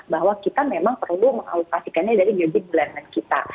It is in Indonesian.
bahwa kita memang perlu mengalokasikannya dari bibit bulanan kita